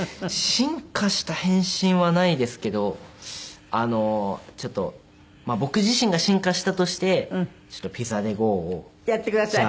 進化した変身はないですけどちょっと僕自身が進化したとして「ピザでＧＯ！」を。やってください。